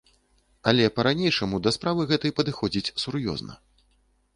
Але па-ранейшаму да справы гэтай падыходзіць сур'ёзна.